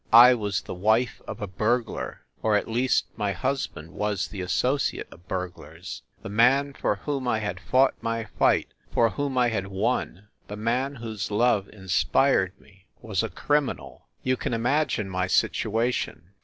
I was the wife of a burglar, or at least my husband was the associate of bur glars. The man for whom I had fought my fight, for whom I had won, the man whose love inspired me, was a criminal! You can imagine my situation.